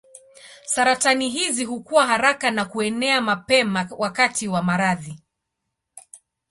Saratani hizi hukua haraka na kuenea mapema wakati wa maradhi.